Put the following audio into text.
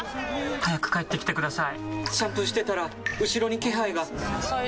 早く帰ってきてください！